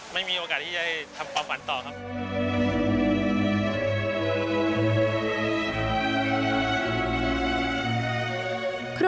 ไม่มีโอกาสที่จะได้ทำความฝันต่อครับ